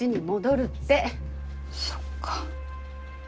そっか。